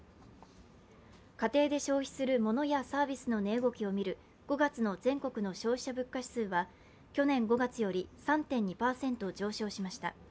家庭で消費する物やサービスの値動きを見る５月の全国の消費者物価指数は去年５月より３．２％上昇しました。